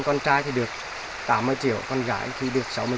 con trai thì được tám mươi triệu con gái thì được sáu mươi